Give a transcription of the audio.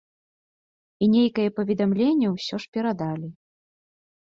І нейкае паведамленне ўсё ж перадалі.